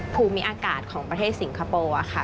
ภูมิอากาศของประเทศสิงคโปร์ค่ะ